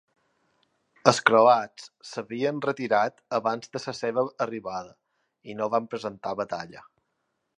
Els croats s'havien retirat abans de la seva arribada i no van presentar batalla.